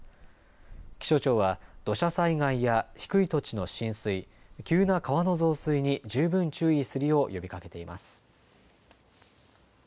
気象庁は土砂災害や低い土地の浸水、急な川の増水に十分注意するよう呼びかけています。